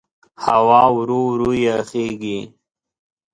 هوا ورو ورو یخېږي.